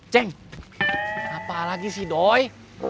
ceng apa lagi sih doi